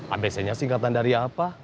abc nya singkatan dari apa